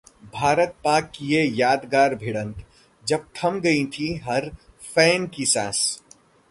भारत-पाक की ये यादगार भिड़ंत, जब थम गई थीं हर फैन की सांस